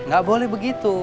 gak boleh begitu